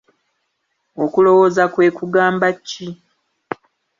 Okulowooza kwe kugamba ki?